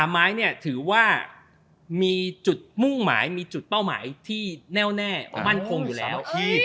ไม้เนี่ยถือว่ามีจุดมุ่งหมายมีจุดเป้าหมายที่แน่วแน่มั่นคงอยู่แล้ว